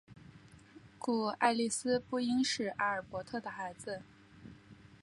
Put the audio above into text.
故爱丽丝不应是阿尔伯特的孩子。